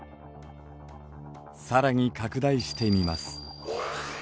更に拡大してみます。